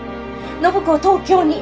暢子を東京に！